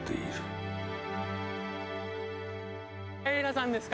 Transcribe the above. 平良さんですか。